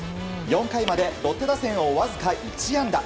４回まで６打線をわずか１安打。